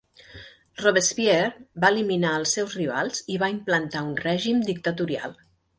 Robespierre va eliminar als seus rivals i va implantar un règim dictatorial.